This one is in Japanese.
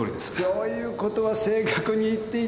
そういうことは正確に言って頂かないと。